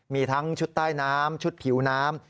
มีทั้งชุดใต้น้ำชุดผิวน้ำ